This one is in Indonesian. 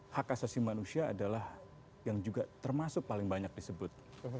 hak asasi manusia adalah yang juga termasuk paling banyak disebut